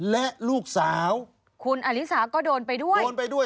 และลูกสาวคุณอลิสาก็โดนไปด้วย